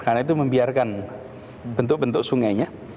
karena itu membiarkan bentuk bentuk sungainya